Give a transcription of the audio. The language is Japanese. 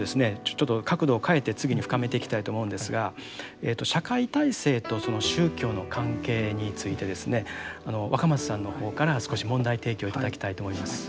ちょっと角度を変えて次に深めていきたいと思うんですが社会体制と宗教の関係についてですね若松さんの方から少し問題提起を頂きたいと思います。